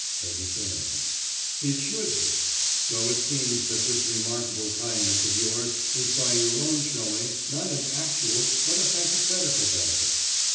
VEGETARIAN: It "should be"! So it seems that this remarkable kindness of yours is, by your own showing, not an actual but a hypothetical benefit.